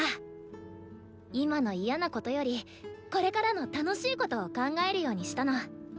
今の嫌なことよりこれからの楽しいことを考えるようにしたの。